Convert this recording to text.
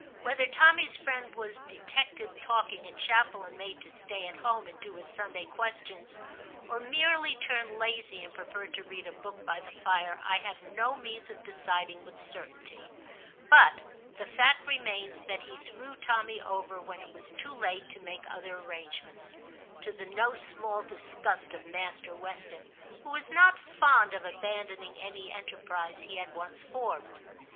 Whether Tommy's friend was de tected talking in chapel and made to stay at home and do his Sunday questions, or merely turned lazy and preferred to read a book by the fire, I have no means of deciding with certainty ; but the fact remains that he threw Tommy over when it was too late to make other arrangements, to the no small disgust of Master Weston, who was not fond of abandon ing any enterprise he had once formed.